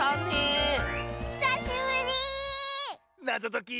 なぞとき。